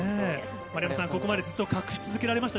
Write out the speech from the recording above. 丸山さん、ここまでずっと隠し続けられました？